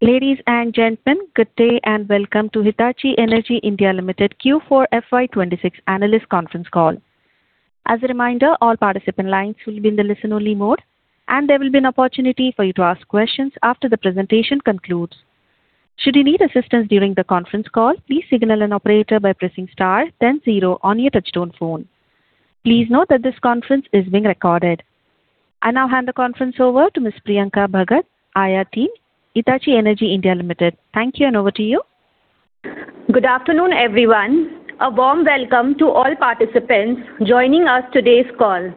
Ladies and gentlemen, good day. Welcome to Hitachi Energy India Limited Q4 FY 2026 analyst conference call. As a reminder, all participant lines will be in the listen only mode, and there will be an opportunity for you to ask questions after the presentation concludes. Should you need assistance during the conference call, please signal an operator by pressing star then zero on your touchtone phone. Please note that this conference is being recorded. I now hand the conference over to Ms. Priyanka Bhagat, IR Team, Hitachi Energy India Limited. Thank you. Over to you. Good afternoon, everyone. A warm welcome to all participants joining us today's call.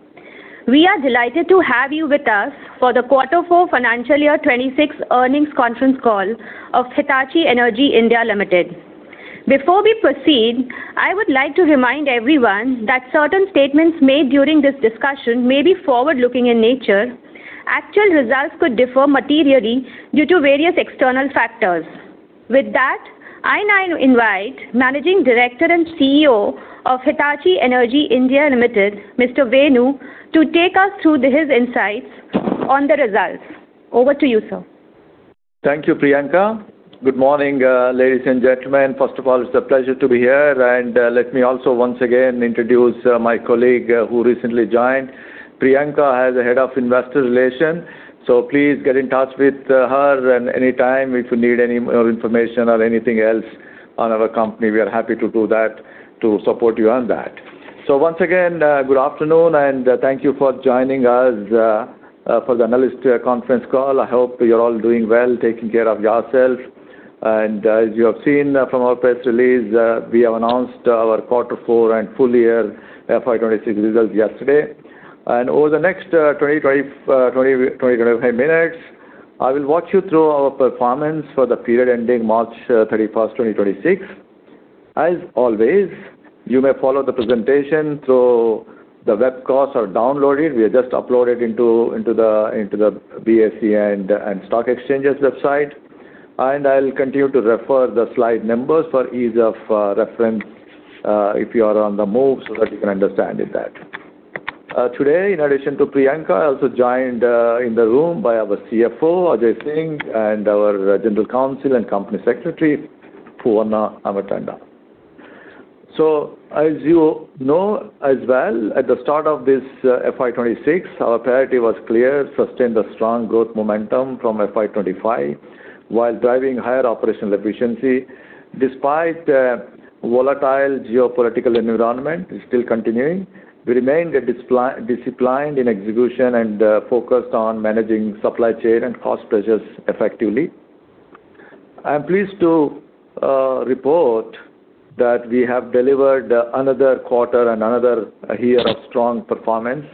We are delighted to have you with us for the Quarter Four Financial Year 2026 earnings conference call of Hitachi Energy India Limited. Before we proceed, I would like to remind everyone that certain statements made during this discussion may be forward-looking in nature. Actual results could differ materially due to various external factors. With that, I now invite Managing Director and CEO of Hitachi Energy India Limited, Mr. Venu, to take us through his insights on the results. Over to you, sir. Thank you, Priyanka. Good morning, ladies and gentlemen. First of all, it's a pleasure to be here. Let me also once again introduce my colleague who recently joined, Priyanka, as the Head of Investor Relations. Please get in touch with her at any time if you need any more information or anything else on our company. We are happy to do that to support you on that. Once again, good afternoon, and thank you for joining us for the analyst conference call. I hope you're all doing well and taking care of yourselves. As you have seen from our press release, we have announced our Quarter Four and full year FY 2026 results yesterday. Over the next 20 to 25 minutes, I will walk you through our performance for the period ending March 31st, 2026. As always, you may follow the presentation through the webcasts or download it. We just upload it into the BSE and stock exchanges website. I'll continue to refer the slide numbers for ease of reference if you are on the move, so that you can understand that. Today, in addition to Priyanka, I also joined in the room by our CFO, Ajay Singh, and our General Counsel and Company Secretary, Poovanna Ammatanda. As you know as well, at the start of this FY 2026, our priority was clear, sustain the strong growth momentum from FY 2025 while driving higher operational efficiency. Despite the volatile geopolitical environment is still continuing, we remained disciplined in execution and focused on managing supply chain and cost pressures effectively. I'm pleased to report that we have delivered another quarter and another year of strong performance,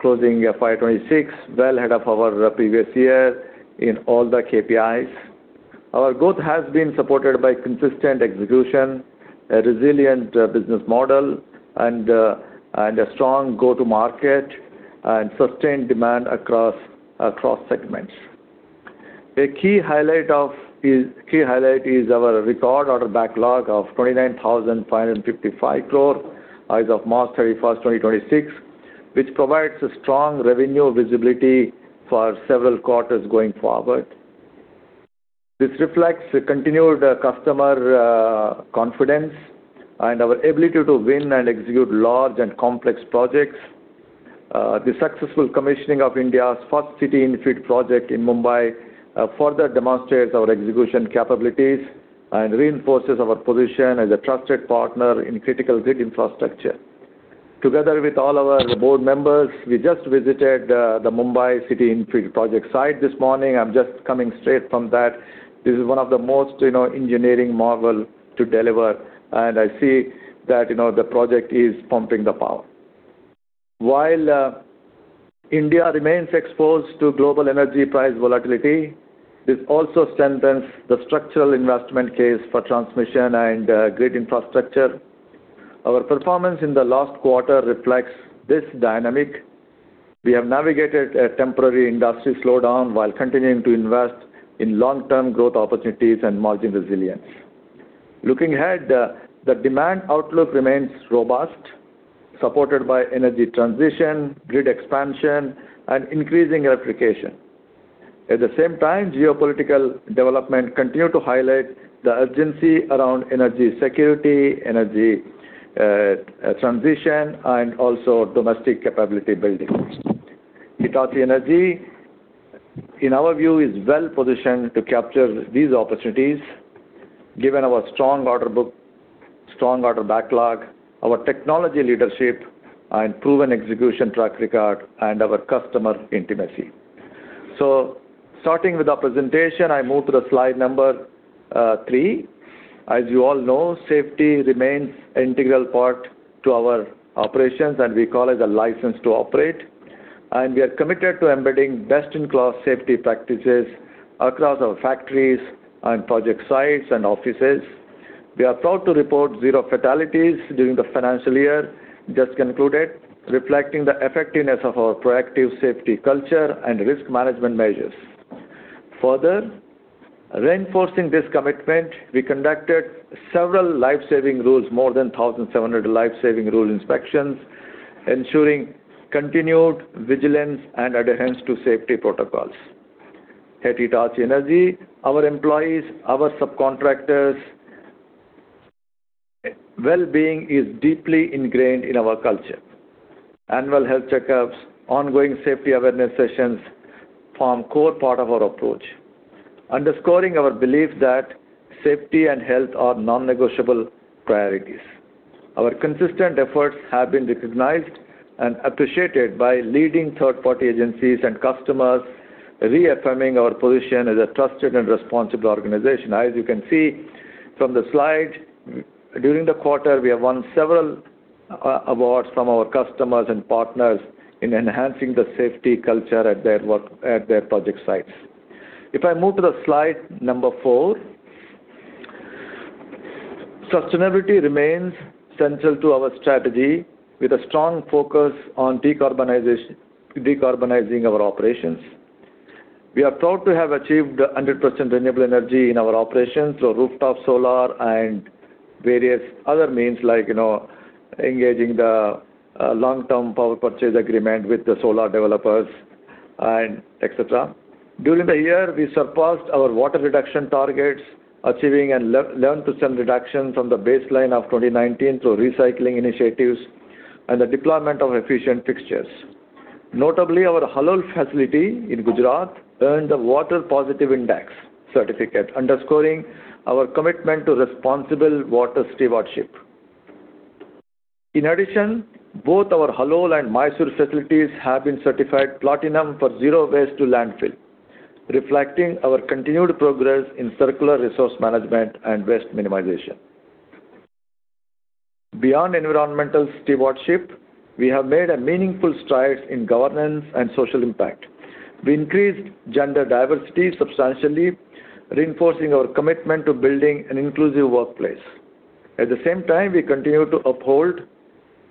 closing FY 2026 well ahead of our previous year in all the KPIs. Our growth has been supported by consistent execution, a resilient business model, and a strong go-to-market and sustained demand across segments. A key highlight is our record order backlog of 29,555 crore as of March 31st, 2026, which provides a strong revenue visibility for several quarters going forward. This reflects the continued customer confidence and our ability to win and execute large and complex projects. The successful commissioning of India's first city interstate project in Mumbai further demonstrates our execution capabilities and reinforces our position as a trusted partner in critical grid infrastructure. Together with all our board members, we just visited the Mumbai city interstate project site this morning. I'm just coming straight from that. This is one of the most engineering marvel to deliver, I see that the project is pumping the power. While India remains exposed to global energy price volatility, this also strengthens the structural investment case for transmission and grid infrastructure. Our performance in the last quarter reflects this dynamic. We have navigated a temporary industry slowdown while continuing to invest in long-term growth opportunities and margin resilience. Looking ahead, the demand outlook remains robust, supported by energy transition, grid expansion, and increasing electrification. At the same time, geopolitical development continue to highlight the urgency around energy security, energy transition, and also domestic capability building. Hitachi Energy, in our view, is well-positioned to capture these opportunities given our strong order book, strong order backlog, our technology leadership and proven execution track record, and our customer intimacy. Starting with our presentation, I move to slide number three. As you all know, safety remains integral part to our operations, and we call it a license to operate. We are committed to embedding best-in-class safety practices across our factories and project sites and offices. We are proud to report zero fatalities during the financial year just concluded, reflecting the effectiveness of our proactive safety culture and risk management measures. Further reinforcing this commitment, we conducted several life-saving rules, more than 1,700 life-saving rule inspections, ensuring continued vigilance and adherence to safety protocols. At Hitachi Energy, our employees, our subcontractors' well-being is deeply ingrained in our culture. Annual health checkups, ongoing safety awareness sessions form core part of our approach, underscoring our belief that safety and health are non-negotiable priorities. Our consistent efforts have been recognized and appreciated by leading third-party agencies and customers, reaffirming our position as a trusted and responsible organization. As you can see from the slide, during the quarter, we have won several awards from our customers and partners in enhancing the safety culture at their project sites. If I move to the slide number four, sustainability remains central to our strategy with a strong focus on decarbonizing our operations. We are proud to have achieved 100% renewable energy in our operations, so rooftop solar and various other means like engaging the long-term power purchase agreement with the solar developers and et cetera. During the year, we surpassed our water reduction targets, achieving a 11% reduction from the baseline of 2019 through recycling initiatives and the deployment of efficient fixtures. Notably, our Halol facility in Gujarat earned a Water Positive Index certificate, underscoring our commitment to responsible water stewardship. In addition, both our Halol and Mysore facilities have been certified platinum for zero waste to landfill, reflecting our continued progress in circular resource management and waste minimization. Beyond environmental stewardship, we have made a meaningful stride in governance and social impact. We increased gender diversity substantially, reinforcing our commitment to building an inclusive workplace. At the same time, we continue to uphold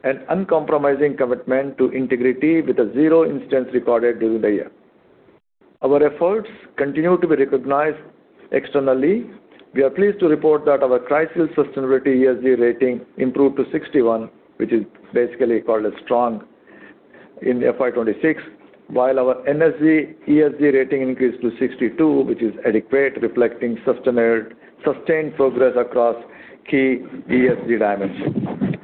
an uncompromising commitment to integrity with a zero instance recorded during the year. Our efforts continue to be recognized externally. We are pleased to report that our CRISIL sustainability ESG rating improved to 61, which is basically called a strong in FY 2026, while our NSE ESG rating increased to 62, which is adequate, reflecting sustained progress across key ESG dimensions.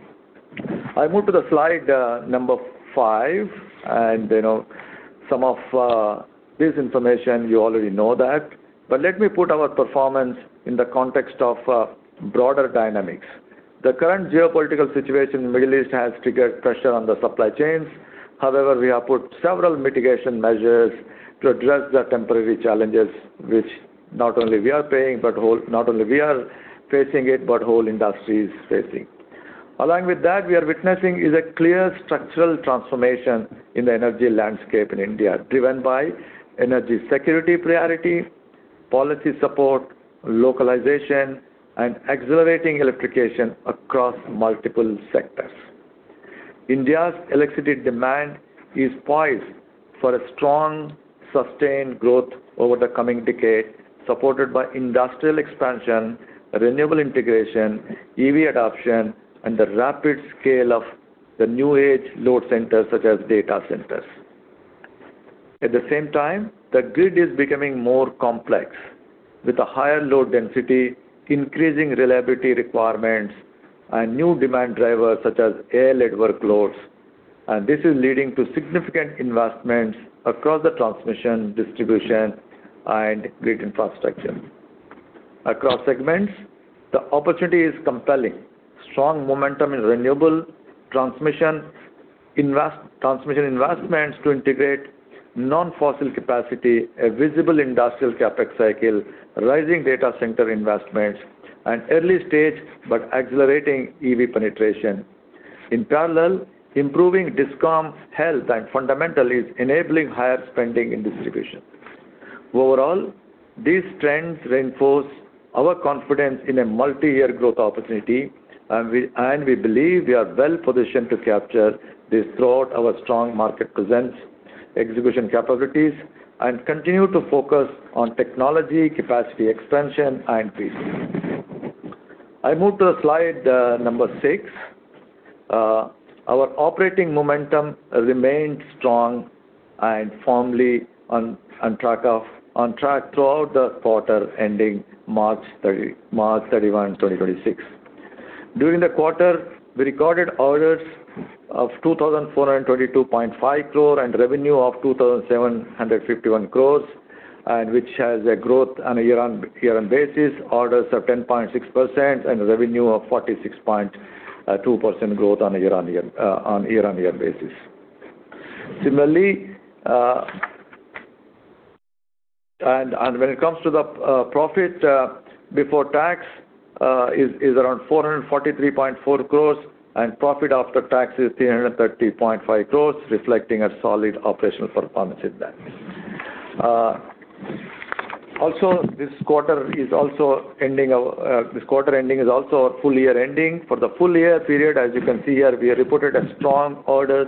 I move to the slide number five, and some of this information you already know that. Let me put our performance in the context of broader dynamics. The current geopolitical situation in the Middle East has triggered pressure on the supply chains. However, we have put several mitigation measures to address the temporary challenges, which not only we are facing it, but whole industry is facing. Along with that, we are witnessing is a clear structural transformation in the energy landscape in India, driven by energy security priority, policy support, localization, and accelerating electrification across multiple sectors. India's electricity demand is poised for a strong, sustained growth over the coming decade, supported by industrial expansion, renewable integration, EV adoption, and the rapid scale of the new age load centers such as data centers. At the same time, the grid is becoming more complex with a higher load density, increasing reliability requirements, and new demand drivers such as AI-led workloads. This is leading to significant investments across the transmission, distribution, and grid infrastructure. Across segments, the opportunity is compelling. Strong momentum in renewable transmission investments to integrate non-fossil capacity, a visible industrial CapEx cycle, rising data center investments, and early stage, but accelerating EV penetration. In parallel, improving discom health and fundamentals enabling higher spending in distribution. Overall, these trends reinforce our confidence in a multi-year growth opportunity, and we believe we are well-positioned to capture this throughout our strong market presence, execution capabilities, and continue to focus on technology, capacity expansion, and pacing. I move to slide number six. Our operating momentum remained strong and firmly on track throughout the quarter ending March 31, 2026. During the quarter, we recorded orders of 2,422.5 crore and revenue of 2,751 crore, and which has a growth on a year-over-year basis, orders of 10.6% and revenue of 46.2% growth on year-over-year basis. Similarly, when it comes to the profit before tax is around 443.4 crore, and profit after tax is 330.5 crore, reflecting a solid operational performance in that. This quarter ending is also our full year ending. For the full year period, as you can see here, we reported a strong orders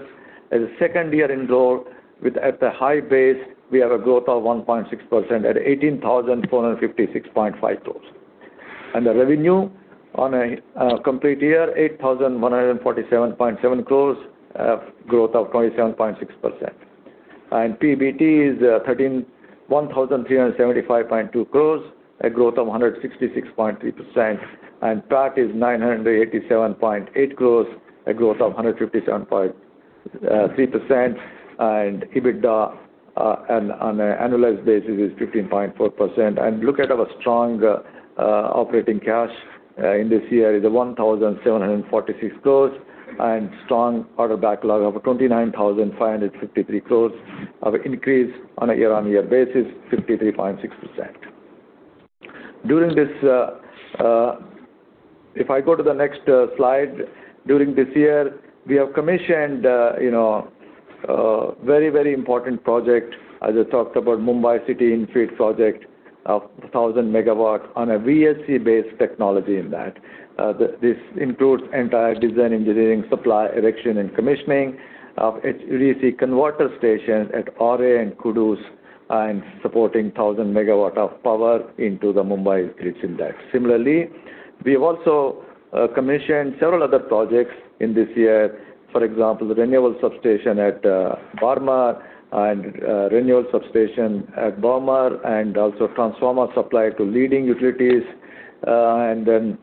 as a second year in row with at a high base, we had a growth of 1.6% at 18,456.5 crore. The revenue on a complete year, 8,147.7 crore, growth of 27.6%. PBT is 1,375.2 crore, a growth of 166.3%. PAT is 987.8 crore, a growth of 157.3%. EBITDA on an annualized basis is 15.4%. Look at our strong operating cash in this year is 1,746 crore and strong order backlog of 29,553 crore of increase on a year-over-year basis, 53.6%. If I go to the next slide, during this year, we have commissioned very important project, as I talked about Mumbai City interstate project of 1,000 MW on a VSC-based technology in that. This includes entire design, engineering, supply, erection, and commissioning of HVDC converter station at Aarey and Kudus and supporting 1,000 MW of power into the Mumbai grid. Similarly, we have also commissioned several other projects in this year. For example, the renewable substation at Varma and renewable substation at Bomer, and also transformer supply to leading utilities, and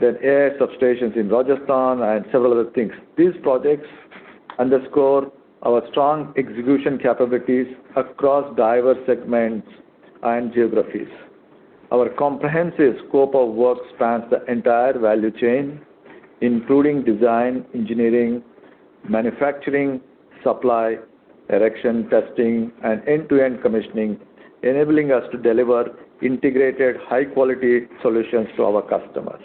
then AI substations in Rajasthan and several other things. These projects underscore our strong execution capabilities across diverse segments and geographies. Our comprehensive scope of work spans the entire value chain, including design, engineering, manufacturing, supply, erection, testing, and end-to-end commissioning, enabling us to deliver integrated high-quality solutions to our customers.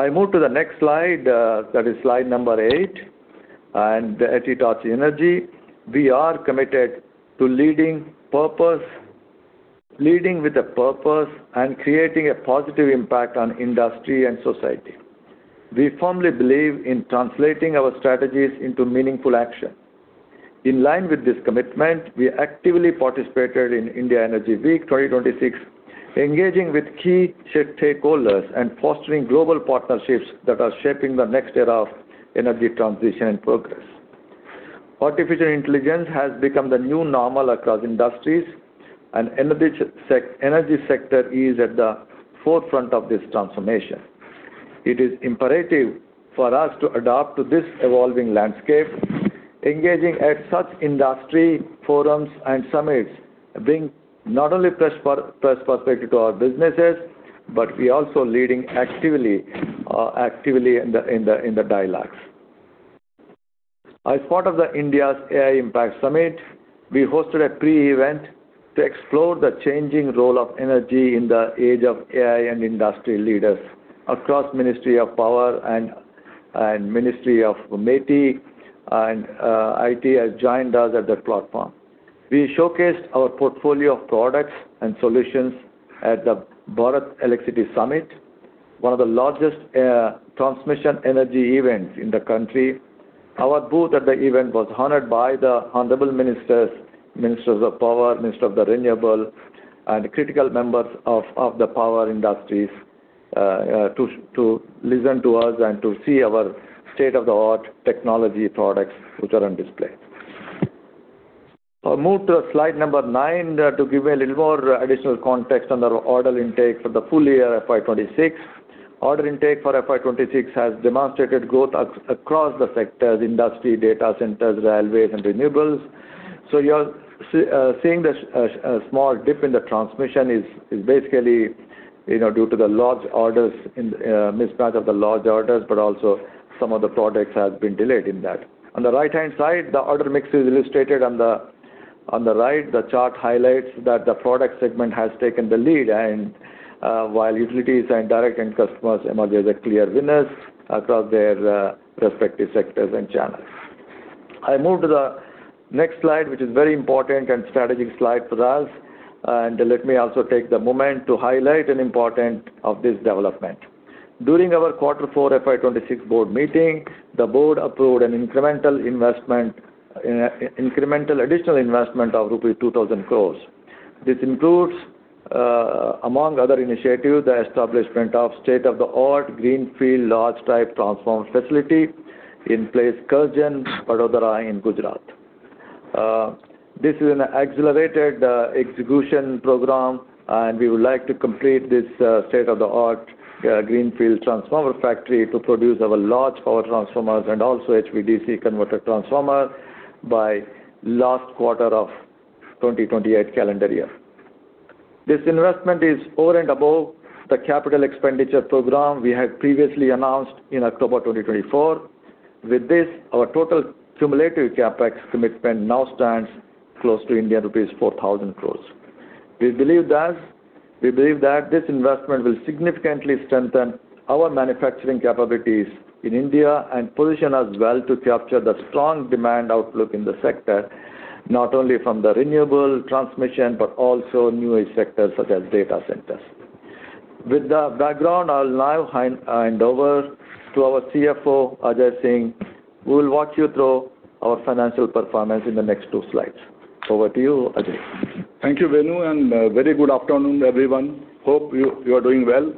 I move to the next slide, that is slide number eight. At Hitachi Energy, we are committed to leading with a purpose and creating a positive impact on industry and society. We firmly believe in translating our strategies into meaningful action. In line with this commitment, we actively participated in India Energy Week 2026, engaging with key stakeholders and fostering global partnerships that are shaping the next era of energy transition and progress. Artificial intelligence has become the new normal across industries, and energy sector is at the forefront of this transformation. It is imperative for us to adapt to this evolving landscape. Engaging at such industry forums and summits brings not only fresh perspective to our businesses, but we also leading actively in the dialogues. As part of the India AI Impact Summit, we hosted a pre-event to explore the changing role of energy in the age of AI and industry leaders. Across Ministry of Power and Ministry of Electronics and Information Technology have joined us at the platform. We showcased our portfolio of products and solutions at the Bharat Electricity Summit, one of the largest transmission energy events in the country. Our booth at the event was honored by the Honorable Ministers, Minister of Power, Minister of the Renewable, and critical members of the power industries to listen to us and to see our state-of-the-art technology products which are on display. I move to slide number nine to give a little more additional context on our order intake for the full year FY 2026. Order intake for FY 2026 has demonstrated growth across the sectors, industry, data centers, railway, and renewables. You're seeing a small dip in the transmission is basically due to the large orders in mismatch of the large orders, but also some of the products has been delayed in that. On the right-hand side, the order mix is illustrated on the right. The chart highlights that the product segment has taken the lead and while utilities and direct end customers emerge as a clear winners across their respective sectors and channels. I move to the next slide, which is very important and strategic slide for us, and let me also take the moment to highlight an important of this development. During our Quarter four FY 2026 board meeting, the board approved an incremental additional investment of rupees 2,000 crores. This includes, among other initiatives, the establishment of state-of-the-art greenfield large type transformer facility in Karjan, Vadodara in Gujarat. This is an accelerated execution program, and we would like to complete this state-of-the-art greenfield transformer factory to produce our large power transformers and also HVDC converter transformer by last quarter of 2028 calendar year. This investment is over and above the CapEx program we had previously announced in October 2024. With this, our total cumulative CapEx commitment now stands close to rupees 4,000 crores. We believe that this investment will significantly strengthen our manufacturing capabilities in India and position us well to capture the strong demand outlook in the sector, not only from the renewable transmission, but also new age sectors such as data centers. With that background, I'll now hand over to our CFO, Ajay Singh, who will walk you through our financial performance in the next two slides. Over to you, Ajay Singh. Thank you, Venu. Very good afternoon, everyone. Hope you are doing well.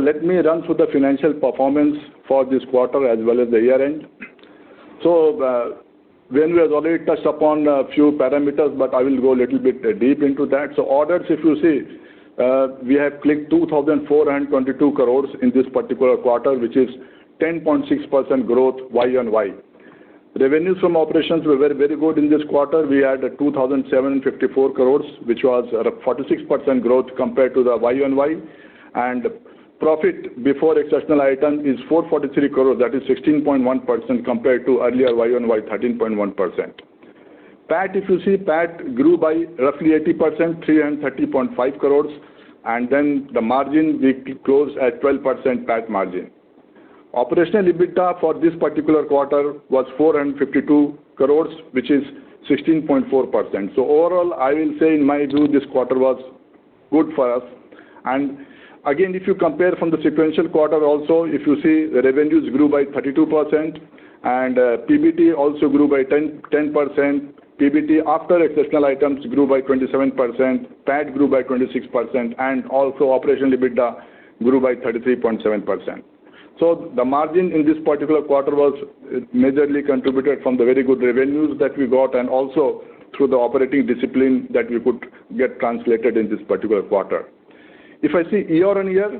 Let me run through the financial performance for this quarter as well as the year-end. Venu has already touched upon a few parameters, but I will go a little bit deep into that. Orders, if you see, we have clicked 2,422 crore in this particular quarter, which is 10.6% growth YoY. Revenues from operations were very good in this quarter. We had 2,754 crore, which was a 46% growth compared to the YoY. Profit before exceptional item is 443 crore, that is 16.1% compared to earlier YoY, 13.1%. PAT, if you see, PAT grew by roughly 80%, 330.5 crore. The margin, we closed at 12% PAT margin. Operational EBITDA for this particular quarter was 452 crore, which is 16.4%. Overall, I will say in my view, this quarter was good for us. Again, if you compare from the sequential quarter also, if you see revenues grew by 32% and PBT also grew by 10%. PBT after exceptional items grew by 27%, PAT grew by 26%, and also operational EBITDA grew by 33.7%. The margin in this particular quarter was majorly contributed from the very good revenues that we got and also through the operating discipline that we could get translated in this particular quarter. If I see year-on-year,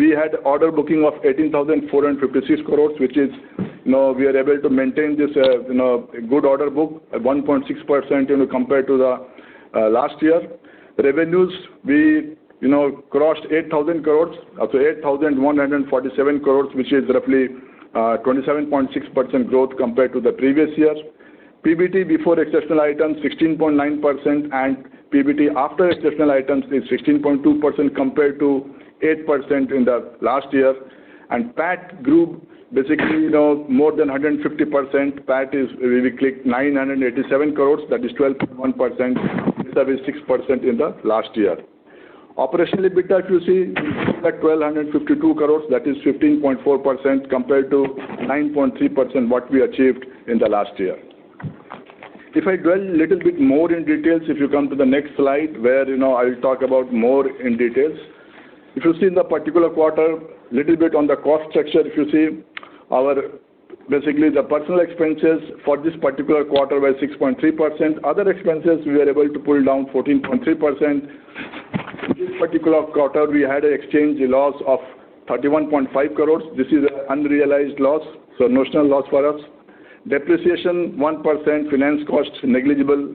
we had order booking of 18,456 crores, which is, we are able to maintain this good order book at 1.6% compared to the last year. Revenues, we crossed 8,000 crores. 8,147 crores, which is roughly 27.6% growth compared to the previous year. PBT before exceptional items, 16.9%. PBT after exceptional items is 16.2% compared to 8% in the last year. PAT grew basically more than 150%. PAT is, we clicked 987 crore, that is 12.1%, vis-a-vis 6% in the last year. Operational EBITDA, if you see, we took the 1,252 crore, that is 15.4% compared to 9.3% what we achieved in the last year. If I dwell a little bit more in details, if you come to the next slide where I'll talk about more in details. If you see the particular quarter, little bit on the cost structure, if you see, basically the personal expenses for this particular quarter were 6.3%. Other expenses, we were able to pull down 14.3%. This particular quarter, we had exchange loss of 31.5 crore. This is an unrealized loss, notional loss for us. Depreciation, 1%, finance cost negligible.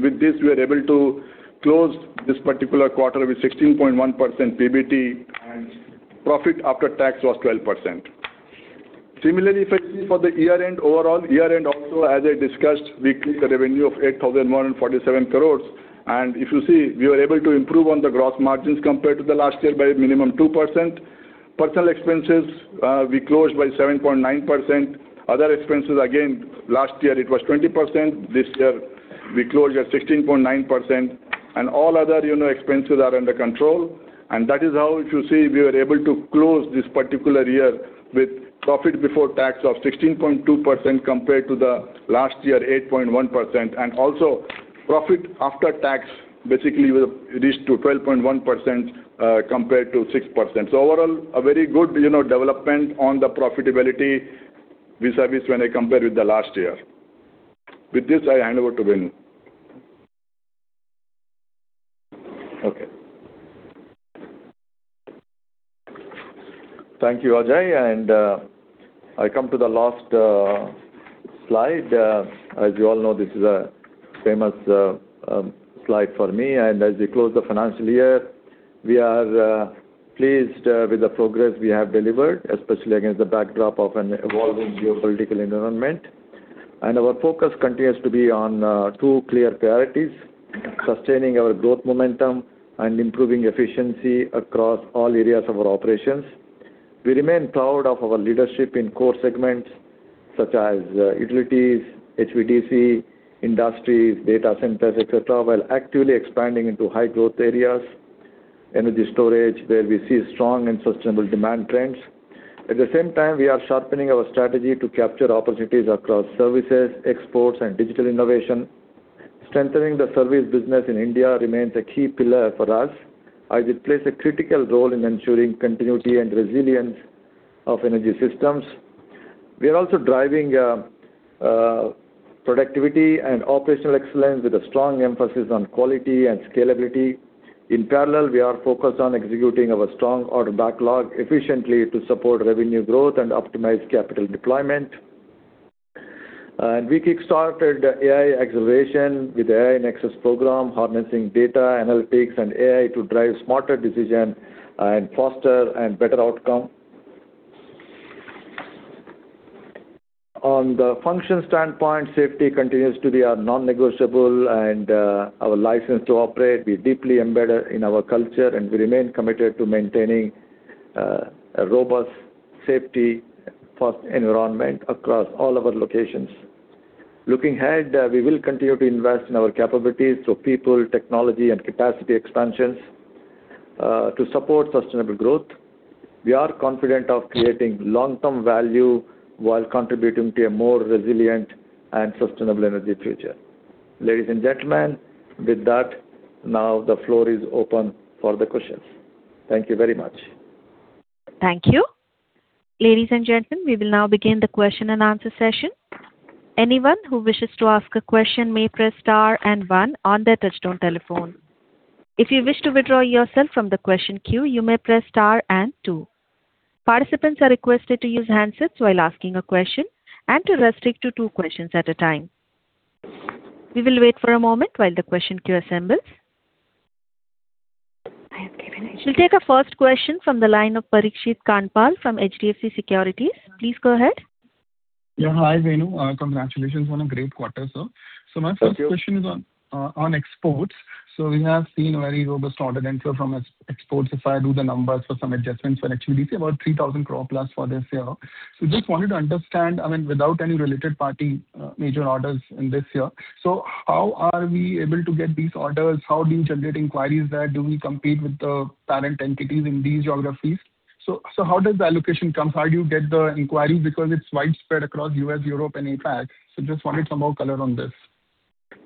With this, we are able to close this particular quarter with 16.1% PBT, and profit after tax was 12%. Similarly, if I see for the year-end overall, year-end also, as I discussed, we clicked a revenue of 8,147 crore. If you see, we were able to improve on the gross margins compared to the last year by a minimum 2%. Personal expenses, we closed by 7.9%. Other expenses, again, last year it was 20%, this year we closed at 16.9%. All other expenses are under control. That is how, if you see, we are able to close this particular year with profit before tax of 16.2% compared to the last year, 8.1%. Also profit after tax, basically reached to 12.1% compared to 6%. Overall, a very good development on the profitability vis-a-vis when I compare with the last year. With this, I hand over to Venu. Okay. Thank you, Ajay Singh. I come to the last slide. As you all know, this is a famous slide for me. As we close the financial year, we are pleased with the progress we have delivered, especially against the backdrop of an evolving geopolitical environment. Our focus continues to be on two clear priorities, sustaining our growth momentum and improving efficiency across all areas of our operations. We remain proud of our leadership in core segments such as utilities, HVDC, industries, data centers, et cetera, while actively expanding into high growth areas, energy storage, where we see strong and sustainable demand trends. At the same time, we are sharpening our strategy to capture opportunities across services, exports, and digital innovation. Centering the service business in India remains a key pillar for us, as it plays a critical role in ensuring continuity and resilience of energy systems. We are also driving productivity and operational excellence with a strong emphasis on quality and scalability. In parallel, we are focused on executing our strong order backlog efficiently to support revenue growth and optimize capital deployment. We kickstarted AI acceleration with AI Nexus program, harnessing data analytics and AI to drive smarter decision and foster and better outcome. On the function standpoint, safety continues to be our non-negotiable and our license to operate be deeply embedded in our culture, and we remain committed to maintaining a robust safety first environment across all our locations. Looking ahead, we will continue to invest in our capabilities, so people, technology and capacity expansions to support sustainable growth. We are confident of creating long-term value while contributing to a more resilient and sustainable energy future. Ladies and gentlemen, with that, now the floor is open for the questions. Thank you very much. Thank you. Ladies and gentlemen, we will now begin the question and answer session. Participants are requested to use handsets while asking a question and to restrict to two questions at a time. We will wait for a moment while the question queue assembles. We'll take the first question from the line of Parikshit Kandpal from HDFC Securities. Please go ahead. Yeah. Hi, Venu. Congratulations on a great quarter, sir. My first question is on exports. We have seen very robust order inflow from exports. If I do the numbers for some adjustments for HVDC, about 3,000 crore plus for this year. Just wanted to understand, I mean, without any related party major orders in this year. How are we able to get these orders? How do you generate inquiries there? Do we compete with the parent entities in these geographies? How does the allocation come? How do you get the inquiry? It's widespread across U.S., Europe, and APAC. Just wanted some more color on this.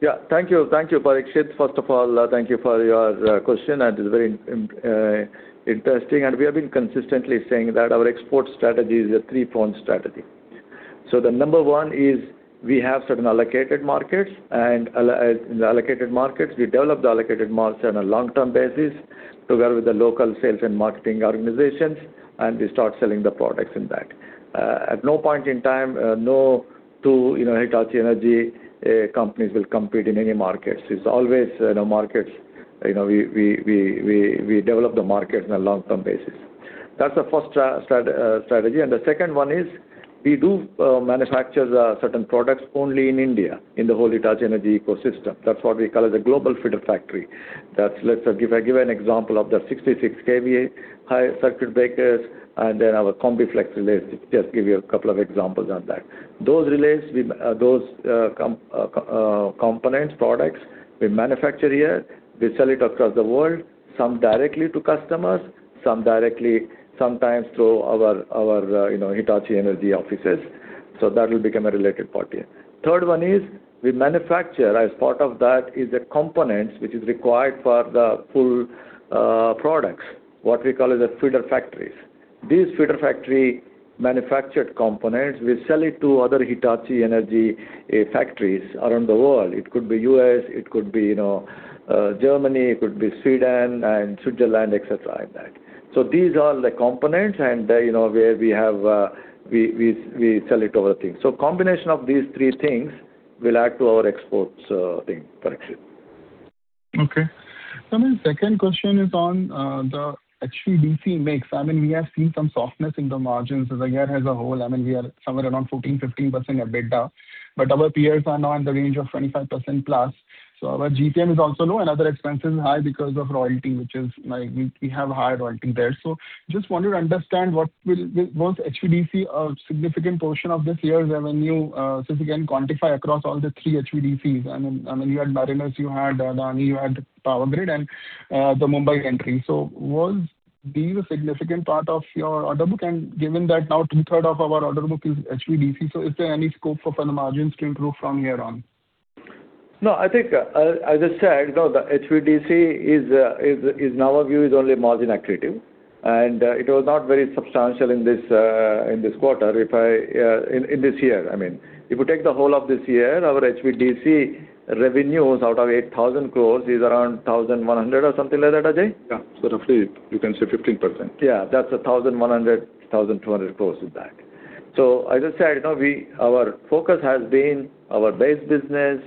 Yeah. Thank you, Parikshit Kandpal. First of all, thank you for your question. That is very interesting. We have been consistently saying that our export strategy is a 3-pronged strategy. The number 1 is we have certain allocated markets, and in the allocated markets, we develop the allocated markets on a long-term basis together with the local sales and marketing organizations, and they start selling the products in that. At no point in time, no two Hitachi Energy companies will compete in any markets. It's always markets. We develop the market in a long-term basis. That's the first strategy. The second one is we do manufacture certain products only in India, in the Hitachi Energy ecosystem. That's what we call the global feeder factory. If I give an example of the 66 kV hybrid circuit breakers, our COMBIFLEX relays, just give you a couple of examples on that. Those relays, those components, products we manufacture here, we sell it across the world, some directly to customers, some directly sometimes to our Hitachi Energy offices. That will become a related party. Third one is we manufacture as part of that is a component which is required for the full products, what we call the feeder factories. These feeder factory manufactured components, we sell it to other Hitachi Energy factories around the world. It could be U.S., it could be Germany, it could be Sweden, and Switzerland, et cetera like that. These are the components and where we sell it to our things. Combination of these three things will add to our exports thing, Parikshit. Okay. My second question is on the HVDC mix. We have seen some softness in the margins this year as a whole. We are somewhere around 14%-15% EBITDA, but our peers are now in the range of 25% plus. Our G&A is also low and other expenses are high because of royalty, which is like we have high royalty there. Just wanted to understand was HVDC a significant portion of this year's revenue? If you can quantify across all the three HVDCs. You had Marinus Link, you had Adani, you had Power Grid, and the Mumbai entry. Was DE a significant part of your order book? Given that now two-third of our order book is HVDC, is there any scope for the margins to improve from here on? No. I think as I said, the HVDC is in our view is only a margin accretive, and it was not very substantial in this quarter, in this year, I mean. If you take the whole of this year, our HVDC revenues out of 8,000 crore is around 1,100 or something like that, Ajay Singh? Yeah. Roughly you can say 15%. Yeah. That's 1,100 crore-1,200 crore of that. As I said, our focus has been our base business,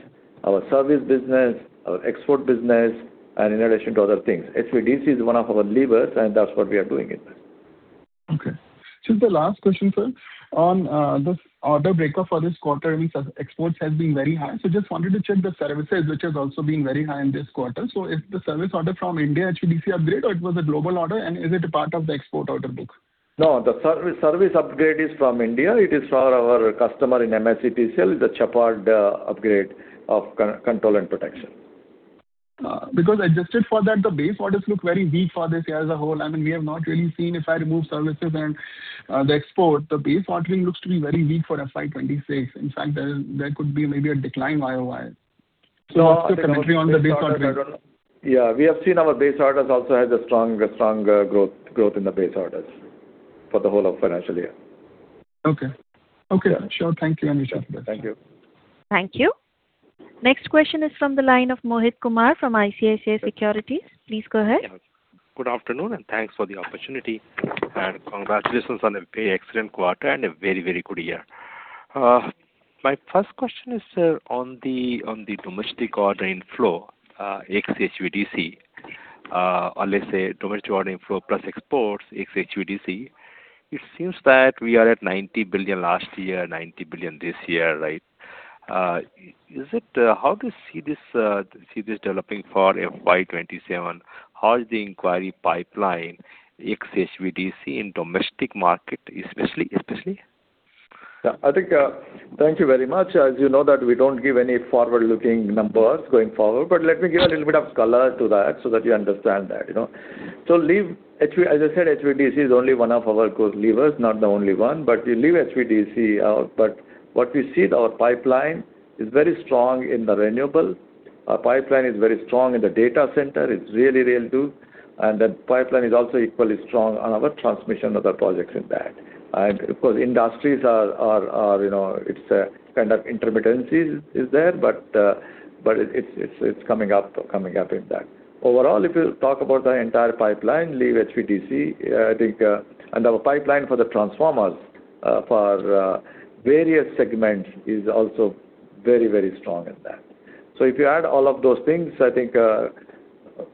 our service business, our export business in addition to other things. HVDC is one of our levers, and that's what we are doing it. Okay. Just the last question, sir. On this order breakup for this quarter, we see that exports has been very high. Just wanted to check the services which has also been very high in this quarter. Is the service order from India HVDC upgrade or it was a global order and is it a part of the export order book? No. The service upgrade is from India. It is for our customer in MSETCL, the Chandrapur upgrade of control and protection. Adjusted for that, the base orders look very weak for this year as a whole. We have not really seen if I remove services and the export, the base partly looks to be very weak for FY 2026. In fact, there could be maybe a decline YoY. After looking on the base orders. Yeah. We have seen our base orders also had a stronger growth in the base orders for the whole of financial year. Okay. Sure. Thank you very much. Thank you. Thank you. Next question is from the line of Mohit Kumar from ICICI Securities. Please go ahead. Good afternoon, and thanks for the opportunity, and congratulations on a very excellent quarter and a very, very good year. My first question is, sir, on the domestic order inflow ex HVDC. Let's say domestic order inflow plus exports ex HVDC. It seems that we are at 90 billion last year, 90 billion this year, right? How do you see this developing for FY 2027? How is the inquiry pipeline ex HVDC in domestic market especially, yesterday? I think, thank you very much. As you know that we don't give any forward-looking numbers going forward, but let me give a little bit of color to that so that you understand that. As I said, HVDC is only one of our levers, not the only one. We leave HVDC out, but what we see is our pipeline is very strong in the renewable. Our pipeline is very strong in the data center. It's really, really good. That pipeline is also equally strong on our transmission of the projects in that. Of course, industries are, kind of intermittency is there, but it's coming up in that. Overall, if you talk about the entire pipeline, leave HVDC, our pipeline for the transformers for various segments is also very, very strong in that. If you add all of those things, I think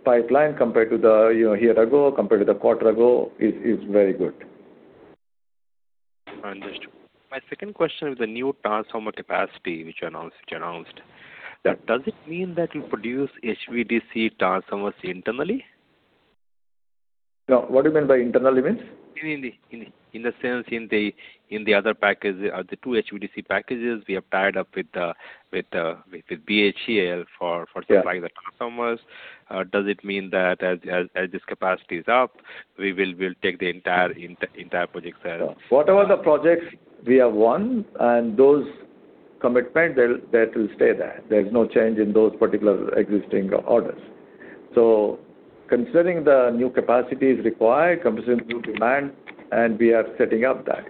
pipeline compared to a year ago, compared to the quarter ago, is very good. Understood. My second question is the new transformer capacity, which you announced. Does it mean that you produce HVDC transformers internally? No. What do you mean by internal means? In a sense, in the other packages, the two HVDC packages, we have tied up with the BHEL for supplying the customers. Yeah. Does it mean that as this capacity is up, we will take the entire project there? Whatever the projects we have won and those commitments, that will stay there. There's no change in those particular existing orders. Considering the new capacity is required, considering new demand, and we are setting up that.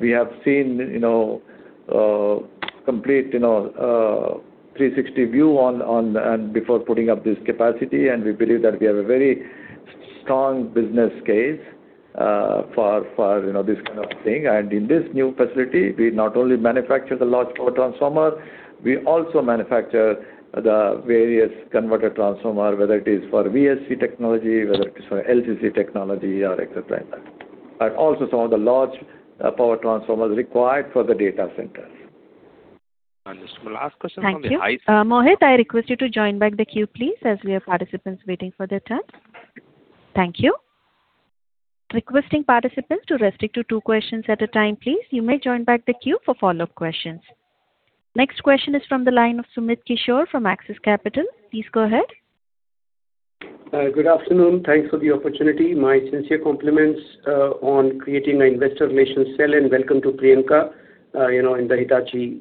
We have seen a complete 360 view before putting up this capacity, and we believe that we have a very strong business case for this kind of thing. In this new facility, we not only manufacture the large power transformer, we also manufacture the various converter transformer, whether it is for VSC technology, whether it is for LCC technology or things like that. Also some of the large power transformers required for the data centers. Understood. Last question from my side. Thank you. Mohit, I request you to join back the queue, please, as we have participants waiting for their turn. Thank you. Requesting participants to restrict to two questions at a time, please. You may join back the queue for follow-up questions. Next question is from the line of Sumit Kishore from Axis Capital. Please go ahead. Good afternoon. Thanks for the opportunity. My sincere compliments on creating an investor relations cell, and welcome to Priyanka in the Hitachi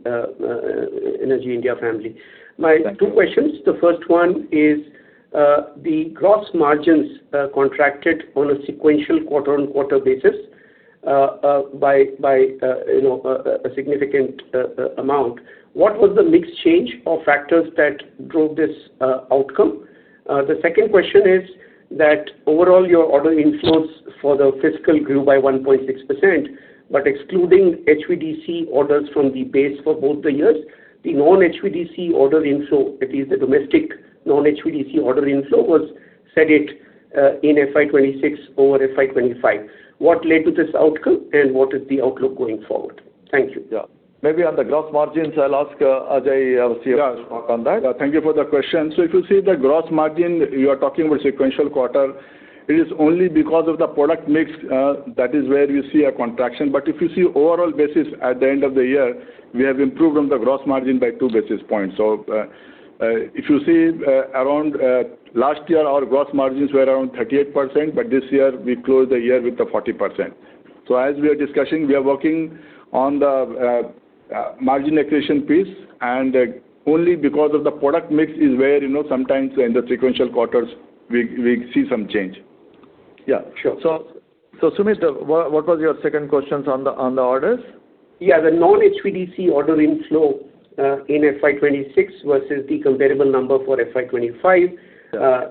Energy India family. My two questions. The first one is, the gross margins contracted on a sequential quarter-on-quarter basis by a significant amount. What was the mix change or factors that drove this outcome? The second question is that overall your order inflows for the fiscal grew by 1.6%, but excluding HVDC orders from the base for both the years, the non-HVDC order inflow, that is the domestic non-HVDC order inflow was steady in FY 2026 over FY 2025. What led to this outcome, and what is the outlook going forward? Thank you. Yeah. Maybe on the gross margins, I'll ask Ajay, our CFO to talk on that. Thank you for the question. If you see the gross margin, you are talking about sequential quarter, it is only because of the product mix, that is where we see a contraction. If you see overall basis at the end of the year, we have improved on the gross margin by two basis points. If you see around last year, our gross margins were around 38%, but this year we closed the year with the 40%. As we are discussing, we are working on the margin accretion piece, and only because of the product mix is where sometimes in the sequential quarters we see some change. Yeah, sure. Sumit, what was your second question on the orders? Yeah, the non-HVDC order inflow in FY 2026 versus the comparable number for FY 2025.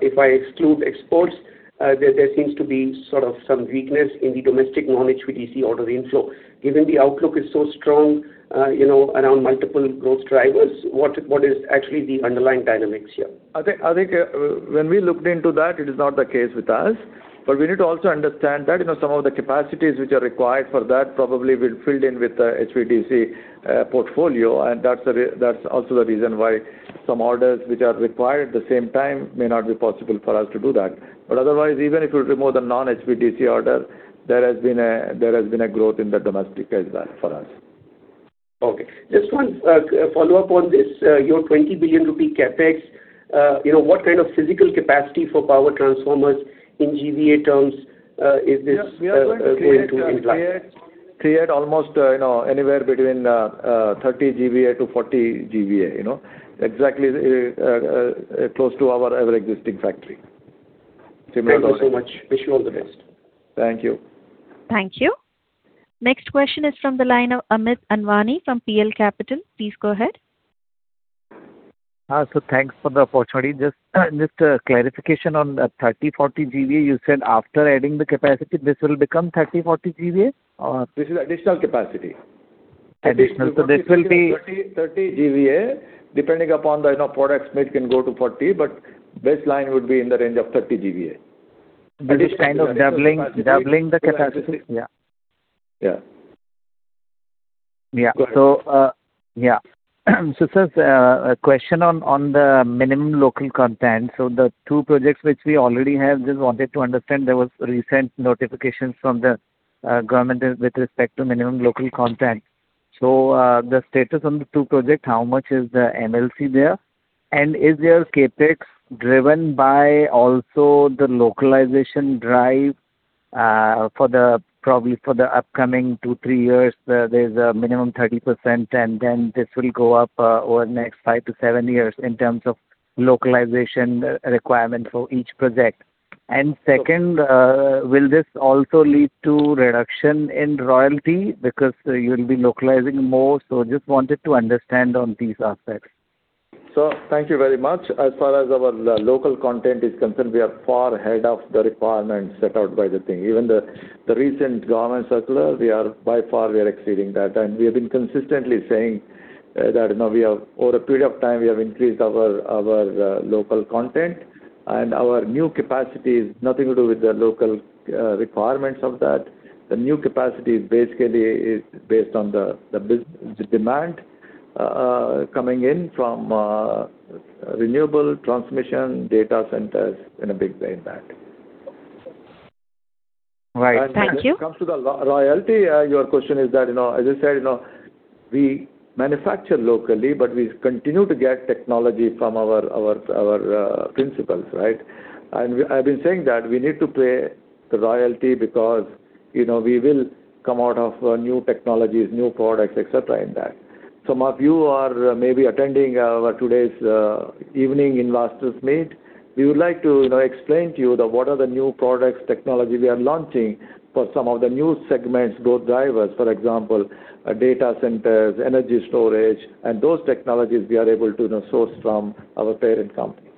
If I exclude exports, there seems to be sort of some weakness in the domestic non-HVDC order inflow. Given the outlook is so strong around multiple growth drivers, what is actually the underlying dynamics here? I think when we looked into that, it is not the case with us, but we need to also understand that some of the capacities which are required for that probably will filled in with the HVDC portfolio, and that's also the reason why some orders which are required at the same time may not be possible for us to do that. Otherwise, even if you remove the non-HVDC order, there has been a growth in the domestic as well for us. Okay. Just one follow-up on this, your 20 billion rupee CapEx, what kind of physical capacity for power transformers in GVA terms is this going to imply? Yes, we are going to create almost anywhere between 30 GVA to 40 GVA. Exactly close to our other existing factory. Thank you so much. Wish you all the best. Thank you. Thank you. Next question is from the line of Amit Anwani from PL Capital. Please go ahead. Thanks for the opportunity. Just clarification on the 30, 40 GVA you said after adding the capacity, this will become 30, 40 GVA? This is additional capacity. Additional. 30 GVA, depending upon the products mix can go to 40, but baseline would be in the range of 30 GVA. It's kind of doubling the capacity. Yeah. Sir, a question on the minimum local content. The two projects which we already have, just wanted to understand, there was recent notifications from the government with respect to minimum local content. The status on the two projects, how much is the MLC there? Is your CapEx driven by also the localization drive, probably for the upcoming two, three years, there's a minimum 30%, and then this will go up over the next five to seven years in terms of localization requirements for each project. Second, will this also lead to reduction in royalty because you'll be localizing more? Just wanted to understand on these aspects. Sir, thank you very much. As far as our local content is concerned, we are far ahead of the requirements set out by the thing. Even the recent government circular, by far we are exceeding that. We have been consistently saying that over a period of time, we have increased our local content, and our new capacity is nothing to do with the local requirements of that. The new capacity basically is based on the demand coming in from renewable transmission data centers in a big way in that. Right. Thank you. When it comes to the royalty, your question is that, as I said, we manufacture locally, but we continue to get technology from our principals, right? I've been saying that we need to pay royalty because we will come out of new technologies, new products, et cetera, in that. Some of you are maybe attending our today's evening investors meet. We would like to explain to you what are the new products technology we are launching for some of the new segments, growth drivers. For example, data centers, energy storage, and those technologies we are able to source from our parent company.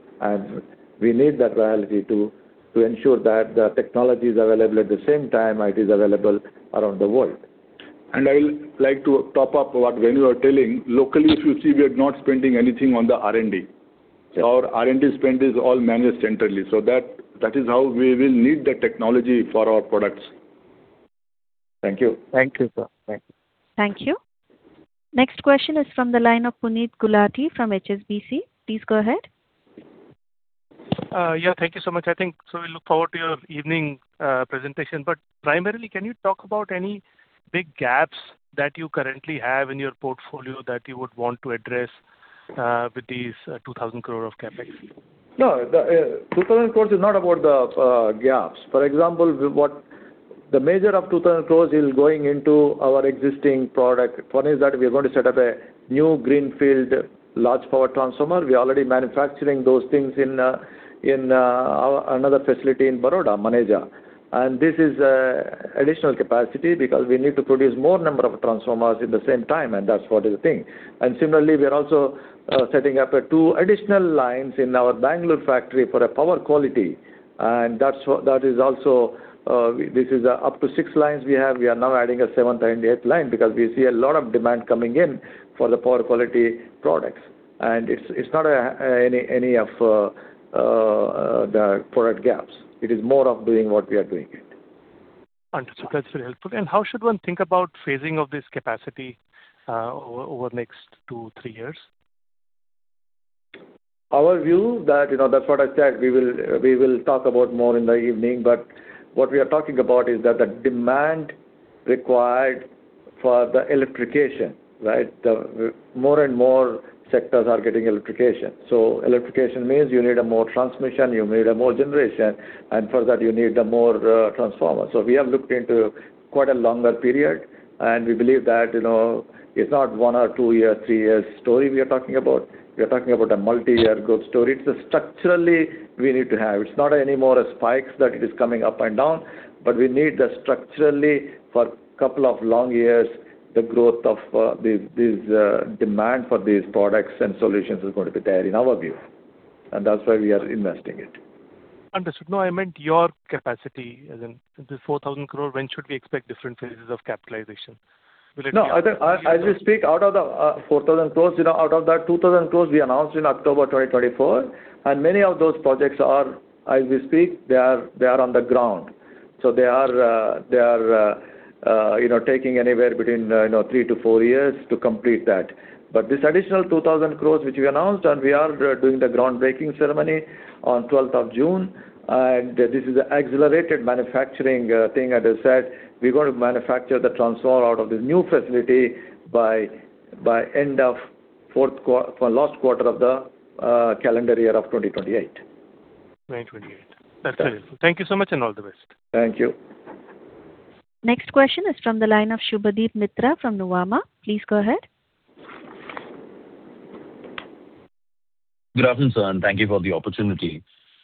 We need that royalty to ensure that the technology is available at the same time it is available around the world. I'll like to top up what Venu was telling. Locally, if you see, we are not spending anything on the R&D. Our R&D spend is all managed centrally. That is how we will need the technology for our products. Thank you. Thank you, sir. Thank you. Next question is from the line of Puneet Gulati from HSBC. Please go ahead. Yeah, thank you so much. I think we look forward to your evening presentation. Primarily, can you talk about any big gaps that you currently have in your portfolio that you would want to address with these 2,000 crore of CapEx? No, 2,000 crores is not about the gaps. For example, the major of 2,000 crores is going into our existing product. One is that we're going to set up a new greenfield large power transformer. We're already manufacturing those things in another facility in Baroda, Manager. This is additional capacity because we need to produce more number of transformers at the same time, and that's what is the thing. Similarly, we are also setting up two additional lines in our Bangalore factory for power quality. Up to six lines we have, we are now adding a seventh and eighth line because we see a lot of demand coming in for the power quality products. It's not any of the product gaps. It is more of doing what we are doing it. Understood. That's helpful. How should one think about phasing of this capacity over the next two, three years? Our view, that's what I said, we will talk about more in the evening. What we are talking about is that the demand required for the electrification, right? More and more sectors are getting electrification. Electrification means you need more transmission, you need more generation, and for that you need more transformers. We are looking into quite a longer period, and we believe that it's not one or two year, three years story we're talking about. We're talking about a multi-year growth story. Structurally, we need to have. It's not any more spikes that it is coming up and down, but we need structurally for a couple of long years, the growth of this demand for these products and solutions is going to be there in our view. That's why we are investing it. Understood. No, I meant your capacity. The 4,000 crore, when should we expect different phases of capitalization? As I speak, out of the 4,000 crore, out of that 2,000 crore we announced in October 2024, and many of those projects are, as we speak, they are on the ground. They are taking anywhere between three to four years to complete that. This additional 2,000 crore, which we announced, and we are doing the groundbreaking ceremony on 12th of June, and this is the accelerated manufacturing thing. As I said, we're going to manufacture the transformer out of this new facility by end of last quarter of the calendar year of 2028. 2028. That's very clear. Thank you so much and all the best. Thank you. Next question is from the line of Shubhabrata Mitra from Nomura. Please go ahead. Good afternoon, sir, and thank you for the opportunity.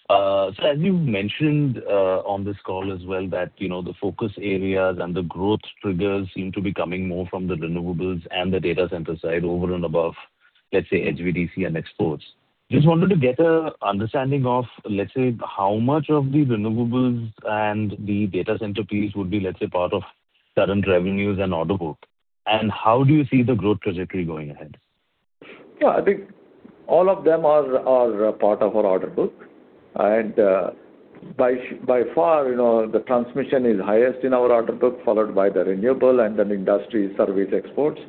As you've mentioned on this call as well that the focus areas and the growth triggers seem to be coming more from the renewables and the data center side over and above, let's say, HVDC and exports. Just wanted to get an understanding of, let's say, how much of the renewables and the data center piece would be, let's say, part of current revenues and order book. How do you see the growth trajectory going ahead? I think all of them are part of our order book. By far, the transmission is highest in our order book, followed by the renewable and then industry service exports.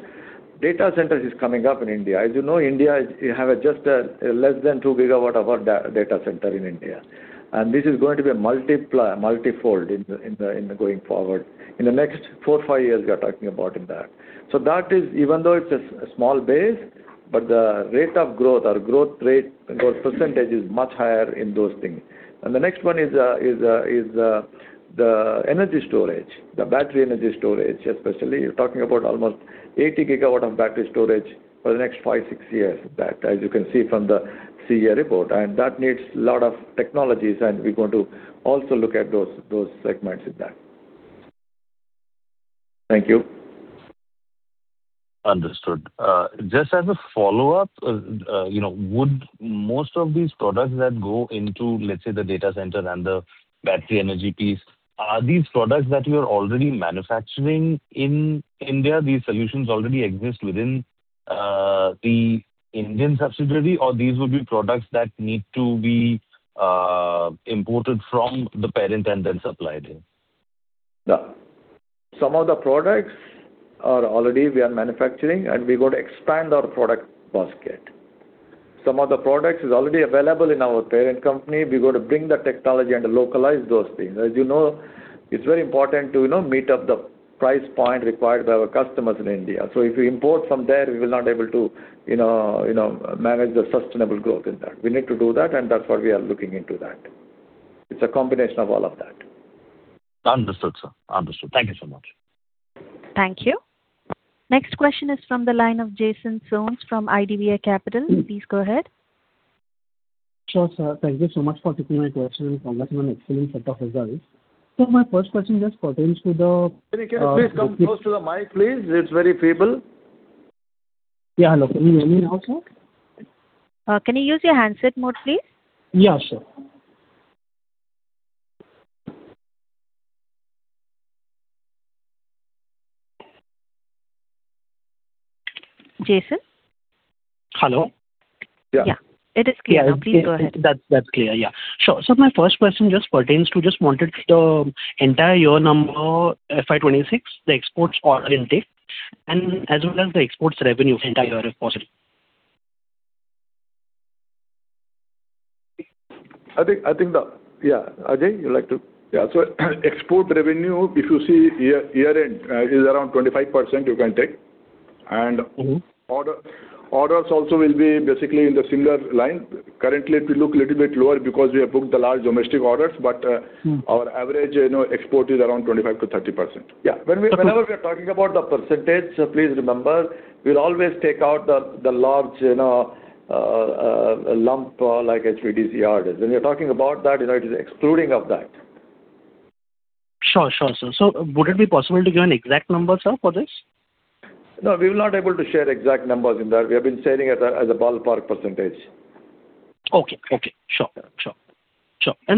Data center is coming up in India. As you know, India, you have just less than two gigawatts of data center in India, and this is going to be multifold going forward. In the next four, five years, we are talking about in that. Even though it's a small base, but the rate of growth or growth rate % is much higher in those things. The next one is the energy storage, the battery energy storage especially. You're talking about almost 80 gigawatts of battery storage for the next five, six years of that, as you can see from the CEA report. That needs a lot of technologies and we're going to also look at those segments with that. Thank you. Understood. Just as a follow-up, would most of these products that go into, let's say, the data center and the battery energy piece, are these products that you're already manufacturing in India, these solutions already exist within the Indian subsidiary, or these will be products that need to be imported from the parent and then supplied here? Some of the products already we are manufacturing, and we're going to expand our product basket. Some of the products are already available in our parent company. We're going to bring the technology and localize those things. As you know, it's very important to meet up the price point required by our customers in India. If we import from there, we will not be able to manage the sustainable growth in that. We need to do that, and that's why we are looking into that. It's a combination of all of that. Understood, sir. Thank you so much. Thank you. Next question is from the line of Jaison Thomas from IDBI Capital. Please go ahead. Sure, sir. Thank you so much for keeping my question in format and explaining set of results. My first question just pertains to. Can you please come close to the mic, please? It's very feeble. Yeah. Can you hear me now, sir? Can you use your handset mode, please? Yeah, sure. Jaison? Hello? Yeah. It is clear. Okay. That's clear, yeah. Sure. My first question just pertains to, just wanted the entire year number FY 2026, the exports order intake, and as well as the exports revenue entire year, if possible. I think, Ajay, you like to. Yeah, export revenue, if you see year-end, is around 25%, you can take. Orders also will be basically in the similar line. Currently, it will look little bit lower because we have booked the large domestic orders, but our average export is around 25%-30%. Whenever we are talking about the percentage, please remember, we'll always take out the large lump like HVDC orders. When we're talking about that, it is excluding of that. Sure, sir. Would it be possible to give an exact number, sir, for this? No, we're not able to share exact numbers in that. We've been saying as a ballpark percentage. Okay. Sure.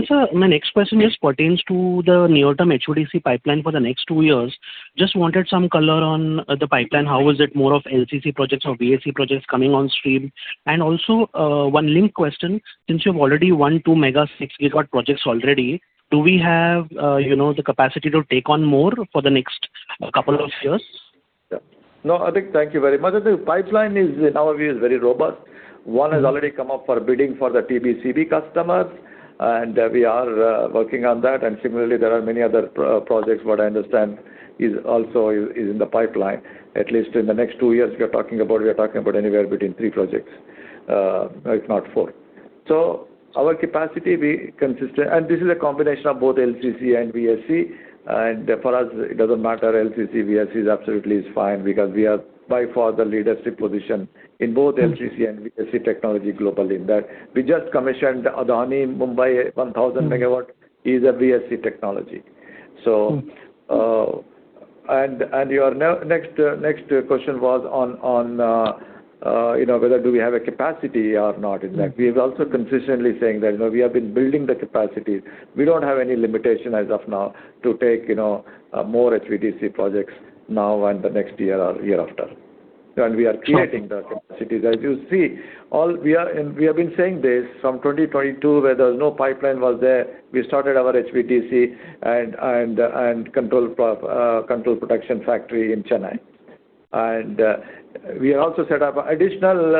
Sir, my next question just pertains to the near-term HVDC pipeline for the next two years. Just wanted some color on the pipeline. How is it more of LCC projects or VSC projects coming on stream? Also, one linked question. Since you've already won two mega 60 gigawatt projects already, do we have the capacity to take on more for the next couple of years? No, thank you very much. The pipeline is in our view is very robust. One has already come up for bidding for the TBCB customers, we are working on that, similarly, there are many other projects what I understand is also is in the pipeline. At least in the next two years, we're talking about anywhere between three projects, if not four. Our capacity be consistent. This is a combination of both LCC and VSC. For us, it doesn't matter, LCC, VSC is absolutely is fine because we are by far the leadership position in both LCC and VSC technology globally in that. We just commissioned Adani Mumbai 1,000 MW is a VSC technology. your next question was on whether do we have a capacity or not exactly. We're also consistently saying that we have been building the capacity. We don't have any limitation as of now to take more HVDC projects now and the next year or year after. We are creating the capacities. As you see, we have been saying this from 2022, where there was no pipeline was there. We started our HVDC and control production factory in Chennai. We also set up additional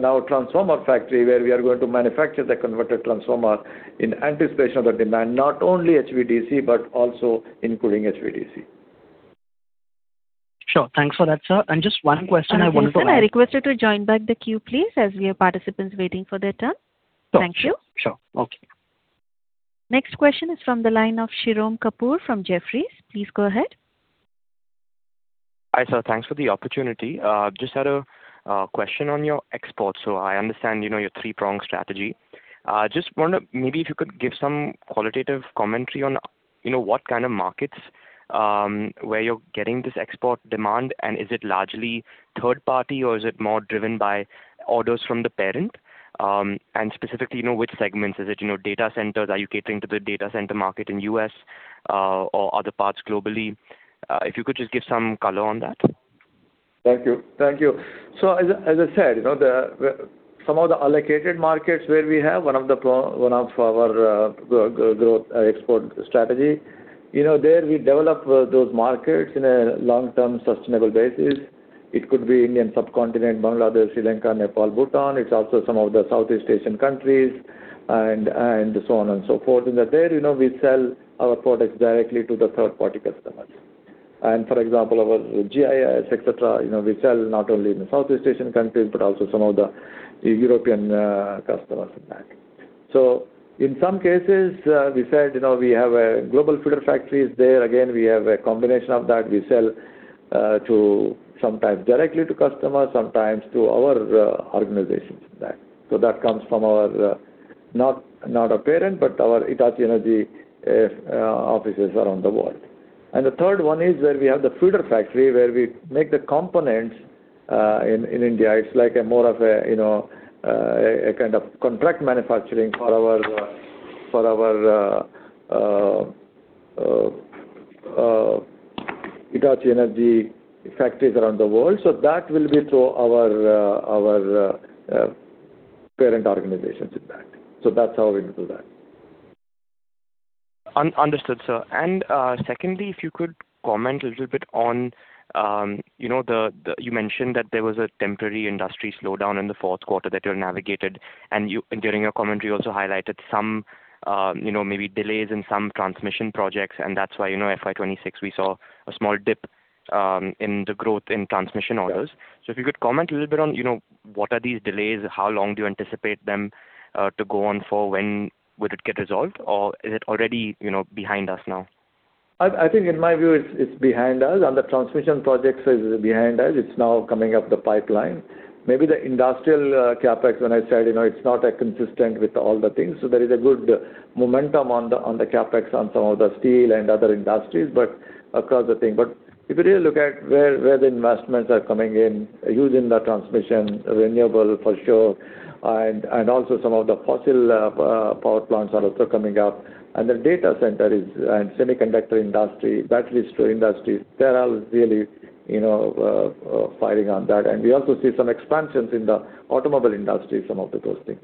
now transformer factory where we are going to manufacture the converter transformer in anticipation of the demand, not only HVDC but also including HVDC. Sure. Thanks for that, sir. Just one question I wanted to- Can I request you to join back the queue, please, as we have participants waiting for their turn. Thank you. Sure. Okay. Next question is from the line of Shirom Kapur from Jefferies. Please go ahead. Hi, sir. Thanks for the opportunity. Just had a question on your exports. I understand your three-pronged strategy. Just wonder maybe if you could give some qualitative commentary on what kind of markets where you're getting this export demand, and is it largely third party or is it more driven by orders from the parent? Specifically which segments is it, data centers, are you catering to the data center market in U.S. or other parts globally? If you could just give some color on that. Thank you. As I said, some of the allocated markets where we have one of our export strategy, there we develop those markets in a long-term sustainable basis. It could be Indian subcontinent, Bangladesh, Sri Lanka, Nepal, Bhutan. It's also some of the Southeast Asian countries, and so on and so forth. In there, we sell our products directly to the third-party customers. For example, our GIS, et cetera, we sell not only in the Southeast Asian countries, but also some of the European customers of that. In some cases, we said, we have a global feeder factories there. Again, we have a combination of that. We sell sometimes directly to customers, sometimes to our organizations of that. That comes from our, not our parent, but our Hitachi Energy offices around the world. The third one is where we have the feeder factory, where we make the components in India. It's like a more of a kind of contract manufacturing for our Hitachi Energy factories around the world. That will be to our parent organizations of that. That's how we do that. Understood, sir. Secondly, if you could comment a little bit on, you mentioned that there was a temporary industry slowdown in the fourth quarter that you navigated, and during your commentary, you also highlighted some maybe delays in some transmission projects, and that's why in FY 2026 we saw a small dip in the growth in transmission orders. If you could comment a little bit on what are these delays? How long do you anticipate them to go on for? When would it get resolved, or is it already behind us now? I think in my view, it's behind us, the transmission projects is behind us. It's now coming up the pipeline. Maybe the industrial CapEx, when I said, it's not consistent with all the things. There is a good momentum on the CapEx on some of the steel and other industries, but across the thing. If you really look at where the investments are coming in, huge in the transmission, renewable for sure, and also some of the fossil power plants are also coming up. The data center is, and semiconductor industry, battery storage industry, they're all really firing on that. We also see some expansions in the automobile industry, some of those things.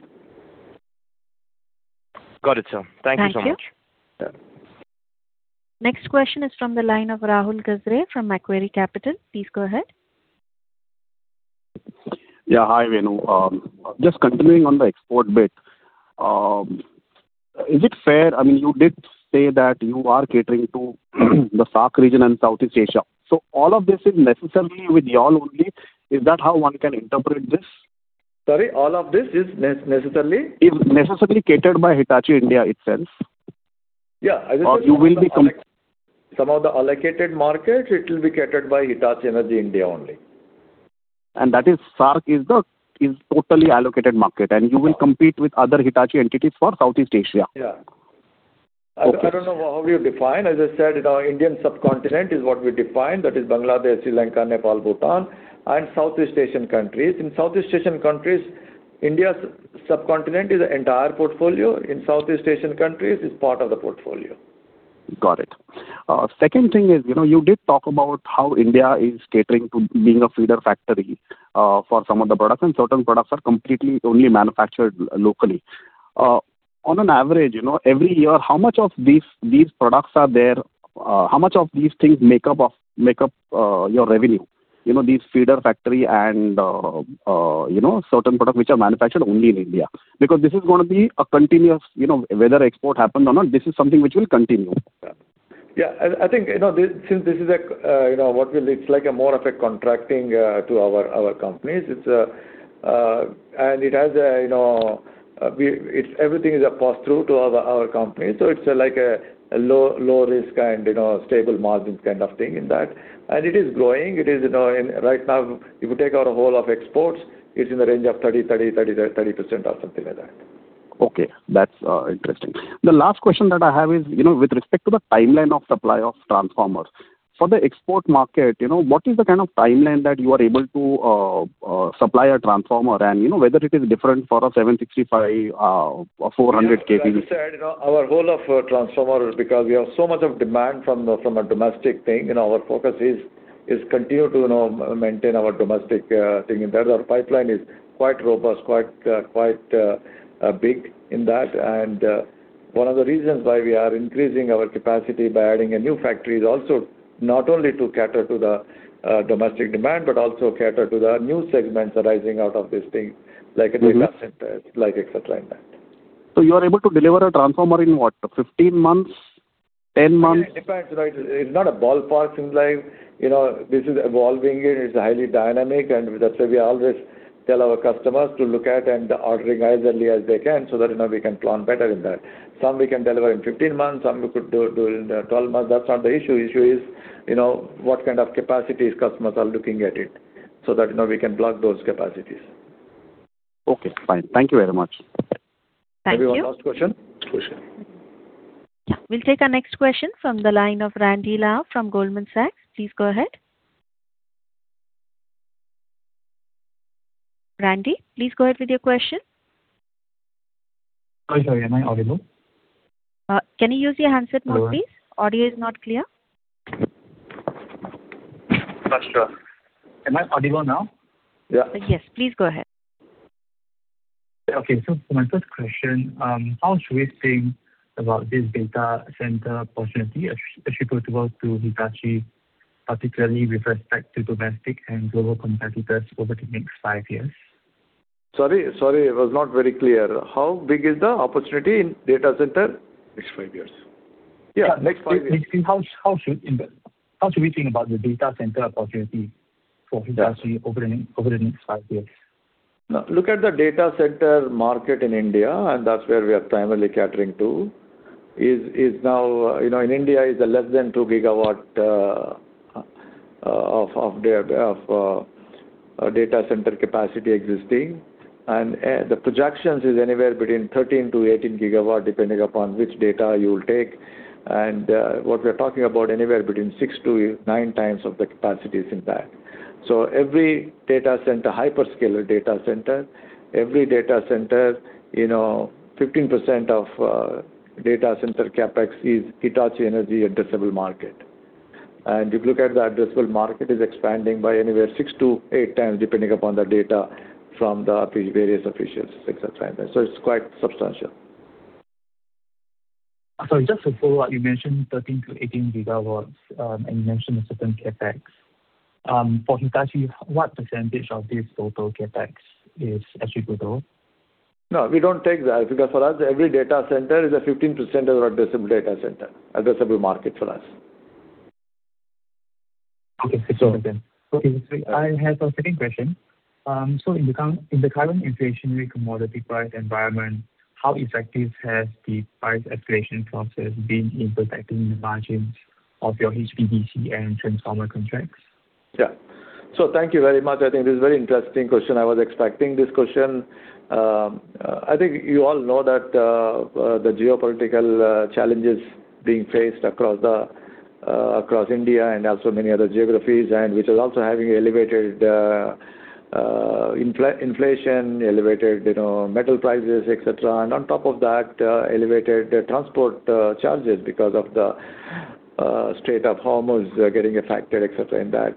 Got it, sir. Thank you so much. Thank you. Yeah. Next question is from the line of Rahul Gajare from Macquarie Capital. Please go ahead. Yeah. Hi, Venu. Just continuing on the export bit, I mean, you did say that you are catering to the SAARC region and Southeast Asia. All of this is necessarily with y'all only, is that how one can interpret this? Sorry, all of this is necessarily? Necessarily catered by Hitachi India itself. Yeah. You will be. Some of the allocated market, it will be catered by Hitachi Energy India only. That is SAARC is totally allocated market, and you will compete with other Hitachi entities for Southeast Asia? Yeah. Look, I don't know how you define. As I said, Indian subcontinent is what we define. That is Bangladesh, Sri Lanka, Nepal, Bhutan, and Southeast Asian countries. In Southeast Asian countries, Indian subcontinent is entire portfolio. In Southeast Asian countries, it's part of the portfolio. Got it. Second thing is, you did talk about how India is catering to being a feeder factory for some of the products, and certain products are completely only manufactured locally. On an average, every year, how much of these products are there? How much of these things make up your revenue, these feeder factory and certain products which are manufactured only in India? This is going to be a continuous, whether export happen or not, this is something which will continue. Yeah. I think, since this is what it looks like a more of a contracting to our companies. Everything is a pass-through to our company. It's like a low risk and stable margins kind of thing in that. It is growing. Right now, if you take our whole of exports, it's in the range of 30% or something like that. Okay. That's interesting. The last question that I have is, with respect to the timeline of supply of transformers. For the export market, what is the kind of timeline that you are able to supply a transformer, and whether it is different for a 765 or 400 kV? As I said, our whole of transformer is because we have so much of demand from a domestic thing. Our focus is continue to maintain our domestic thing in there. Our pipeline is quite robust, quite big in that. One of the reasons why we are increasing our capacity by adding a new factory is also not only to cater to the domestic demand, but also cater to the new segments arising out of this thing, like in data centers, et cetera, and that. You are able to deliver a transformer in what, 15 months, 10 months? It depends. It's not a ballpark timeline. This is evolving, and it's highly dynamic, and that's why we always tell our customers to look at and ordering as early as they can so that we can plan better in that. Some we can deliver in 15 months, some we could do it in 12 months. That's not the issue. Issue is what kind of capacities customers are looking at it, so that now we can block those capacities. Okay, fine. Thank you very much. Thank you. We go last question. We'll take our next question from the line of Randy Lau from Goldman Sachs. Please go ahead. Randy, please go ahead with your question. Sorry, am I audible? Can you use your handset mode, please? Audio is not clear. Sure. Am I audible now? Yes, please go ahead. For my first question, how should we think about this data center opportunity attributable to Hitachi Energy, particularly with respect to domestic and global competitors over the next five years? Sorry, it was not very clear. How big is the opportunity in data center? Next five years. Yeah. Next five years. How should we think about the data center opportunity for Hitachi over the next five years? Look at the data center market in India, that's where we are primarily catering to. In India, is a less than two gigawatt of data center capacity existing. The projections is anywhere between 13-18 gigawatt, depending upon which data you will take. What we're talking about, anywhere between six to nine times of the capacity is in that. Every hyperscaler data center, every data center, 15% of data center CapEx is Hitachi Energy addressable market. If you look at the addressable market, is expanding by anywhere six to eight times, depending upon the data from the various officials, et cetera, and that. It's quite substantial. Sorry, just to follow up, you mentioned 13-18 gigawatts, and you mentioned a certain CapEx. For Hitachi, what percentage of this total CapEx is attributable? No, we don't take that because for us, every data center is a 15% addressable data center, addressable market for us. Okay. I have a second question. In the current inflationary commodity price environment, how effective has the price escalation process been impacting the margins of your HVDC and transformer contracts? Yeah. Thank you very much. I think it's a very interesting question. I was expecting this question. I think you all know that the geopolitical challenges being faced across India and also many other geographies, and which is also having elevated inflation, elevated metal prices, et cetera. On top of that, elevated transport charges because of the Strait of Hormuz getting affected, et cetera, and that.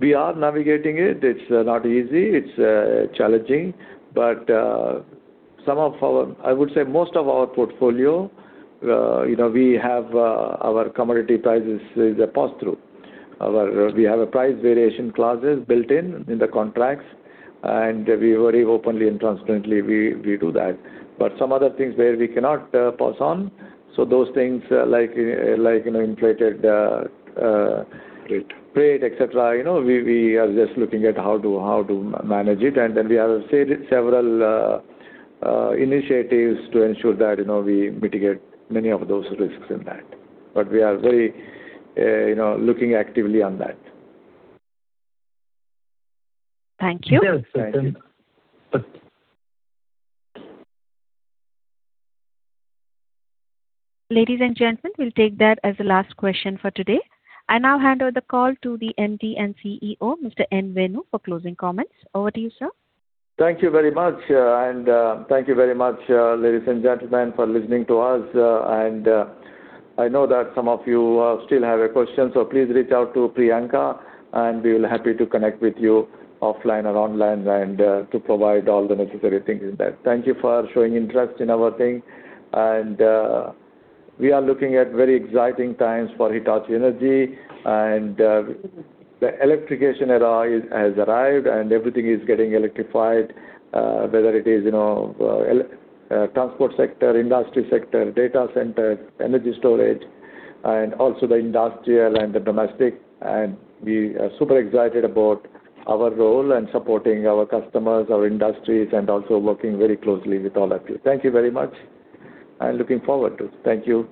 We are navigating it. It's not easy. It's challenging. I would say most of our portfolio, we have our commodity prices as a pass-through. We have price variation clauses built in the contracts, and very openly and transparently we do that. Some other things where we cannot pass on, so those things like inflated freight, et cetera, we are just looking at how to manage it. We have several initiatives to ensure that we mitigate many of those risks in that. We are very looking actively on that. Thank you. Ladies and gentlemen, we'll take that as the last question for today. I now hand over the call to the MD and CEO, Mr. N. Venu, for closing comments. Over to you, sir. Thank you very much. Thank you very much, ladies and gentlemen, for listening to us. I know that some of you still have a question, so please reach out to Priyanka, and we're happy to connect with you offline or online and to provide all the necessary things in that. Thank you for showing interest in our thing. We are looking at very exciting times for Hitachi Energy. The electrification era has arrived, and everything is getting electrified, whether it is transport sector, industry sector, data centers, energy storage, and also the industrial and the domestic. We are super excited about our role and supporting our customers, our industries, and also working very closely with all of you. Thank you very much, and looking forward to it. Thank you.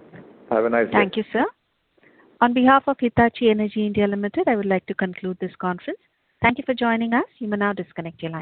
Have a nice day. Thank you, sir. On behalf of Hitachi Energy India Limited, I would like to conclude this conference. Thank you for joining us. You may now disconnect your lines.